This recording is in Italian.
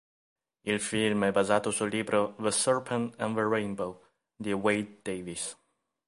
Il film è basato sul libro "The Serpent and the Rainbow" di Wade Davis.